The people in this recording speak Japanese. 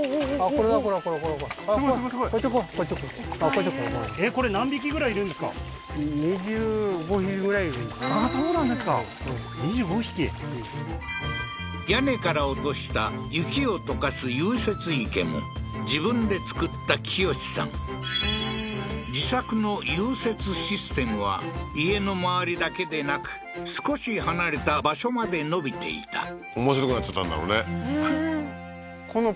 これだこれこれすごいすごいすごいこっち来いこっち来いいっぱい居るあっそうなんですか２５匹屋根から落とした雪を解かす融雪池も自分で造った清司さん自作の融雪システムは家の周りだけでなく少し離れた場所まで延びていた面白くなっちゃったんだろうね